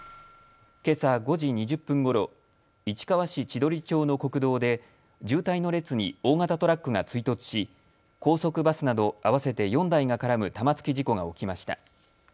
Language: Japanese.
けさ５時２０分ごろ、市川市千鳥町の国道で渋滞の列に大型トラックが追突し高速バスなど合わせて４台が絡む玉突き事故が起きました。